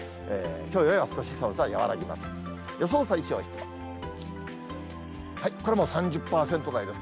きょうよりは少し寒さは和らぎます。